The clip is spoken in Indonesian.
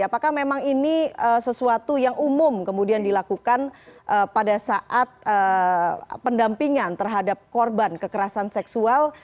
apakah memang ini sesuatu yang umum kemudian dilakukan pada saat pendampingan terhadap korban kekerasan seksual